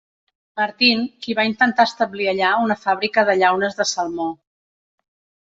Martin, qui va intentar establir allà una fàbrica de llaunes de salmó.